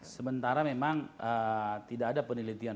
sementara memang tidak ada penelitian